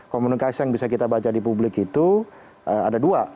komunikasi yang bisa kita baca di publik itu ada dua